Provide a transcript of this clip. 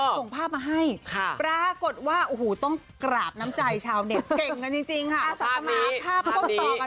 ส่งภาพมาให้ปรากฏว่าต้องกราบน้ำใจชาวเน็ตเก่งกันจริงค่ะ